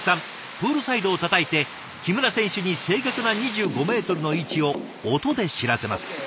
プールサイドをたたいて木村選手に正確な２５メートルの位置を音で知らせます。